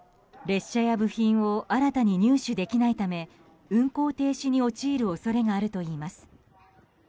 列車や部品を新たに入手できないため運行停止に陥る恐れがあるといいます。